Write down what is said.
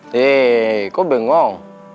hei kok bengong